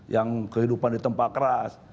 yang kehidupan di tempat keras